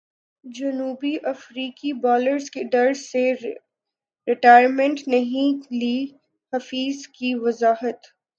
جنوبی افریقی بالرز کے ڈر سے ریٹائرمنٹ نہیں لی حفیظ کی وضاحت